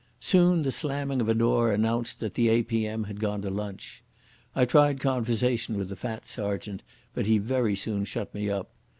Soon the slamming of a door announced that the A.P.M. had gone to lunch. I tried conversation with the fat sergeant, but he very soon shut me up.